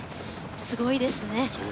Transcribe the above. すごいですね。